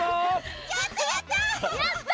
やったやった！